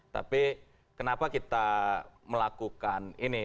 tapi kenapa kita melakukan ini